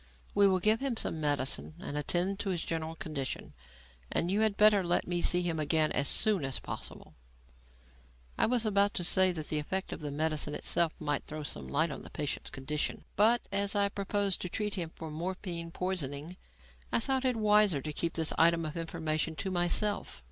"We will give him some medicine and attend to his general condition, and you had better let me see him again as soon as possible." I was about to say that the effect of the medicine itself might throw some light on the patient's condition, but, as I proposed to treat him for morphine poisoning, I thought it wiser to keep this item of information to myself.